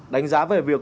đánh giá về việc